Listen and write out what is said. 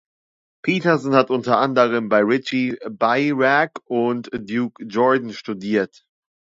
Petersen hat unter anderem bei Richie Beirach und Duke Jordan studiert.